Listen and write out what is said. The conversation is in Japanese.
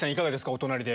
お隣で。